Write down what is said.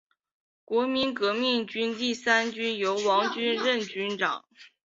国民革命军第三军由王均任军长。